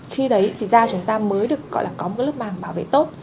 khi đấy thì da chúng ta mới được có một lớp màng bảo vệ tốt